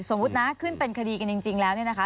สมมุตินะขึ้นเป็นคดีกันจริงแล้วเนี่ยนะคะ